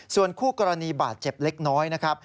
ส่วนคู่กรณีบาดเจ็บเล็กน้อยนะครับ